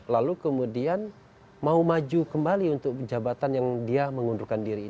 lalu kemudian mau maju kembali untuk jabatan yang dia mengundurkan diri